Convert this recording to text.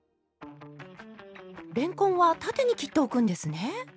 れんこんは縦に切っておくんですね？